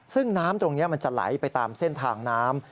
ซึ่งน้ำตรงนี้มันจะไหลไปตามเส้นทางน้ำ